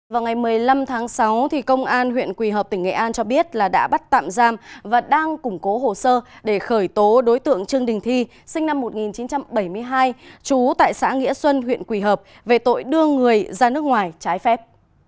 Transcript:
vào ngày một mươi năm tháng sáu công an huyện quỳ hợp tỉnh nghệ an cho biết đã bắt tạm giam và đang củng cố hồ sơ để khởi tố đối tượng trương đình thi sinh năm một nghìn chín trăm bảy mươi hai trú tại xã nghĩa xuân huyện quỳ hợp về tội đưa người ra nước ngoài trái phép